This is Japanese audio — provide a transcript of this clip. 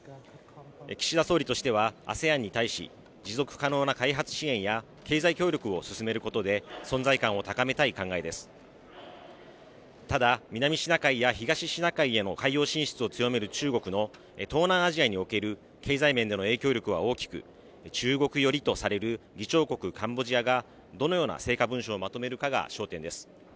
岸田総理としてはＡＳＥＡＮに対し持続可能な開発支援や経済協力を進めることで存在感を高めたい考えですただ南シナ海や東シナ海への海洋進出を強める中国の東南アジアにおける経済面での影響力は大きく中国寄りとされる議長国カンボジアがどのような成果文書をまとめるかが焦点です